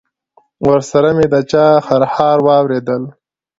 ورسره مې د چا خرهار واورېدل.